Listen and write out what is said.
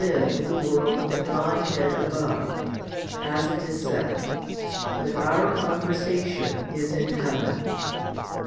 e in the world of the Godhead above, as it is said, But our conversation is in heaven.